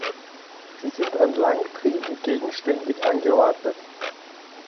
Sie sind an Langtrieben gegenständig angeordnet.